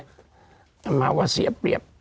คำนึงว่าเสียเปรียบ